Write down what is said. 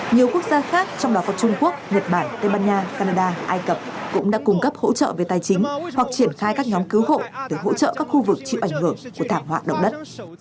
nhiều quốc gia khác trong đó có trung quốc nhật bản tây ban nha canada ai cập cũng đã cung cấp hỗ trợ về tài chính hoặc triển khai các nhóm cứu hộ để hỗ trợ các khu vực chịu ảnh hưởng của thảm họa động đất